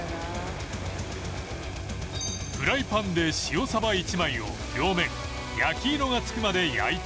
フライパンで塩サバ１枚を両面焼き色が付くまで焼いていく